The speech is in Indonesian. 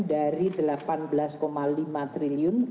dari rp delapan belas lima triliun